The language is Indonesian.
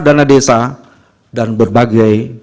dana desa dan berbagai